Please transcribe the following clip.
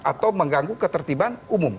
atau mengganggu ketertiban umum